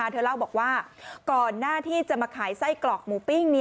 เธอเล่าบอกว่าก่อนหน้าที่จะมาขายไส้กรอกหมูปิ้ง